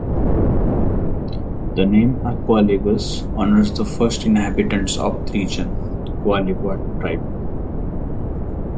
The name "Agualeguas" honors the first inhabitants of the region, the Gualegua tribe.